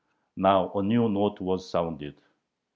Now a new note was sounded.